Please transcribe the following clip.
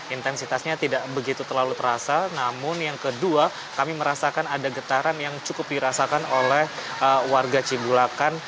intensitasnya tidak begitu terlalu terasa namun yang kedua kami merasakan ada getaran yang cukup dirasakan oleh warga cibulakan